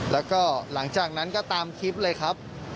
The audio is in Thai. แล้วก็หลังจากนั้นก็ตามคลิปเลยครับ